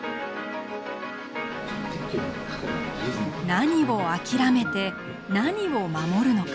何を諦めて何を守るのか。